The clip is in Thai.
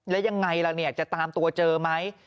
แล้วยังไงล่ะเนี่ยจะตามตัวเจอไหม